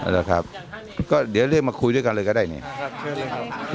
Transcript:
เอางานขสมัยยังไม่เอาพวกนั้นไหม